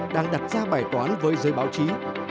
đang đặt ra bài toán với giới báo chí